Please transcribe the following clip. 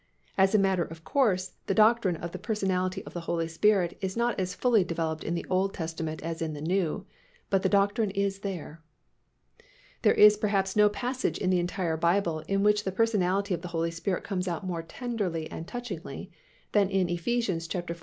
As a matter of course, the doctrine of the personality of the Holy Spirit is not as fully developed in the Old Testament as in the New. But the doctrine is there. There is perhaps no passage in the entire Bible in which the personality of the Holy Spirit comes out more tenderly and touchingly than in Eph. iv.